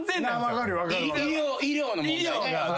医療の問題ね。